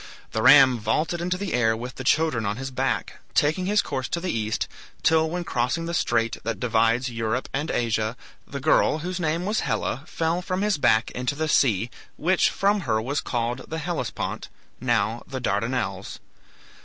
The ram vaulted into the air with the children on his back, taking his course to the East, till when crossing the strait that divides Europe and Asia, the girl, whose name was Helle, fell from his back into the sea, which from her was called the Hellespont, now the Dardanelles.